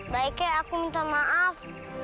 baiknya aku minta maaf